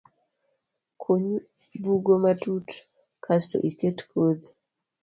Kuny bugo matut kasto iket kodhi